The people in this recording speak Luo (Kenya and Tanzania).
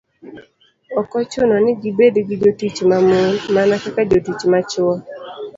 Ok ochuno ni gibed gi jotich ma mon, mana kaka jotich ma chwo.